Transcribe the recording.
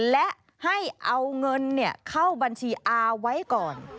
และให้เอาเงินเข้าบัญชีอาไว้ก่อน